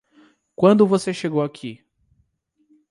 Quando você chegou aqui?